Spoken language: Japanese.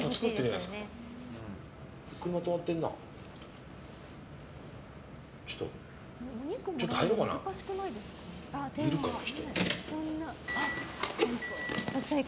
いるかな、人。